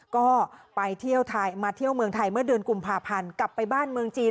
ก็ไปเที่ยวมาเที่ยวเมืองไทยเมื่อเดือนกุมภาพันธ์กลับไปบ้านเมืองจีน